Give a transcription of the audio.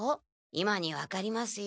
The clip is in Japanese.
今に分かりますよ